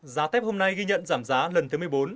giá thép hôm nay ghi nhận giảm giá lần thứ một mươi bốn